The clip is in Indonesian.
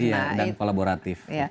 iya dan kolaboratif